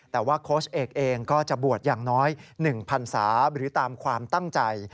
แต่ว่าโค้ชเอกเองก็จะบวชอย่างน้อย๑พันศาหรือตามความตั้งใจ